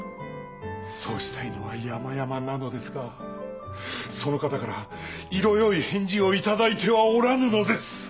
そうしたいのはやまやまなのですがその方から色よい返事を頂いてはおらぬのです。